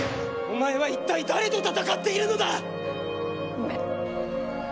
お前は一体誰と戦っているのだ⁉ごめん。